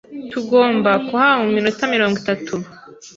Tugomba kuhaba mu minota mirongo itatu.